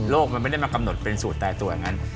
มันไม่ได้มากำหนดเป็นสูตรแต่ตัวอย่างนั้น